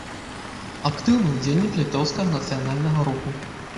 Актыўны ўдзельнік літоўскага нацыянальнага руху.